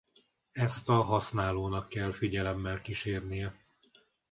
Ezt a használónak kell figyelemmel kísérnie.